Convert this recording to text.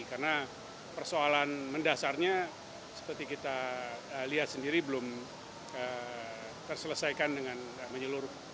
karena persoalan mendasarnya seperti kita lihat sendiri belum terselesaikan dengan menyeluruh